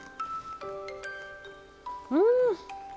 うん！